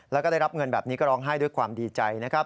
แล้วก็ได้รับเงินแบบนี้ก็ร้องไห้ด้วยความดีใจนะครับ